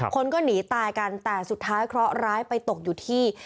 คนก็หนีตายกันแต่สุดท้ายเคราะหร้ายไปตกอยู่ที่